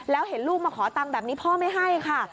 แล้วเห็นลูกมาขอตังค์แบบนี้พ่อไม่ให้ค่ะ